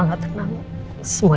assalamualaikum clickun advice